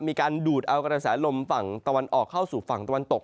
มีการดูดเอากระแสลมฝั่งตะวันออกเข้าสู่ฝั่งตะวันตก